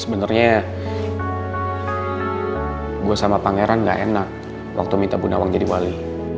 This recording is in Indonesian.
sebenarnya gue sama pangeran gak enak waktu minta bu nawang jadi wali